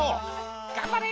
「がんばれ！」。